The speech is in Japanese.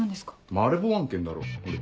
マルボウ案件だろほれ。